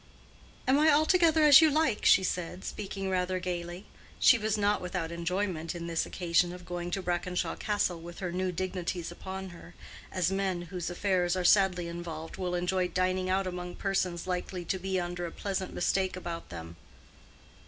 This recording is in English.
"Am I altogether as you like?" she said, speaking rather gaily. She was not without enjoyment in this occasion of going to Brackenshaw Castle with her new dignities upon her, as men whose affairs are sadly involved will enjoy dining out among persons likely to be under a pleasant mistake about them.